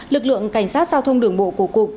lực lượng cảnh sát giao thông đường bộ của cục